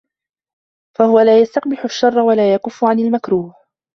فَهُوَ لَا يَسْتَقْبِحُ الشَّرَّ وَلَا يَكُفَّ عَنْ الْمَكْرُوهِ